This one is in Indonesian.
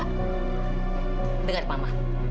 neng dengar mama